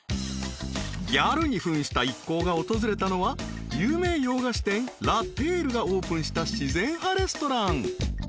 ［ギャルに扮した一行が訪れたのは有名洋菓子店ラ・テールがオープンした自然派レストラン］